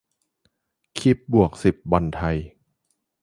คลิป - บวกสิบ บอลไทย